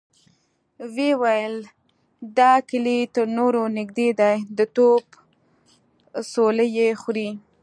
ويې ويل: دا کلي تر نورو نږدې دی، د توپ څولۍ يې خوري.